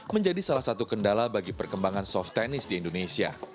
menjadi salah satu kendala bagi perkembangan soft tennis di indonesia